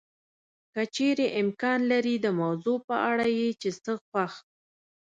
که چېرې امکان لري د موضوع په اړه یې چې څه خوښ